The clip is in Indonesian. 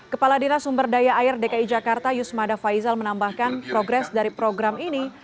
kepala dinasumberdaya air dki jakarta yusmada faizal menambahkan progres dari program ini